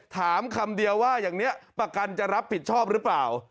ถามคำเดียวว่าอย่างนี้ประกันจะรับผิดชอบหรือเปล่า